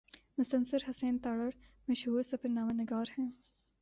مستنصر حسین تارڑ مشہور سفرنامہ نگار ہیں۔